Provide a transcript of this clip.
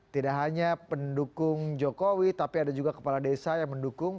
tidak hanya pendukung jokowi tapi ada juga kepala desa yang mendukung